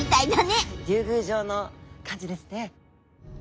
スタジオ竜宮城の感じですね。